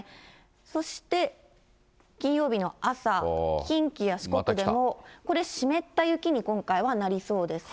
そして金曜日の朝、近畿や四国でも、これ、湿った雪に、今回はなりそうです。